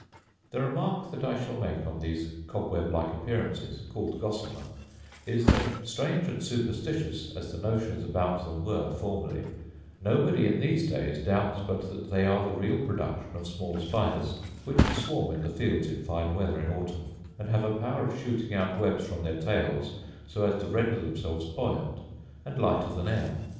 The remark that I shall make on these cobweb like appearances, called gossamer, is, that, strange and superstitious as the notions about them were formerly, nobody in these days doubts but that they are the real production of small spiders, which swarm in the fields in fine weather in autumn, and have a power of shooting out webs from their tails so as to render themselves buoyant, and lighter than air.